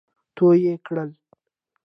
تو يې کړل.